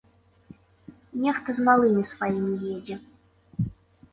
Нехта з малымі сваімі едзе.